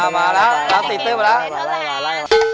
มาแล้วแล้วติดเต้นไปแล้ว